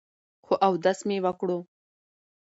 خو اودس مې وکړو ـ